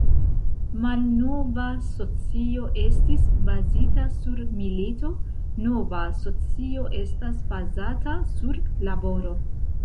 Malnova socio estis bazita sur milito, nova socio estas bazata sur laboro.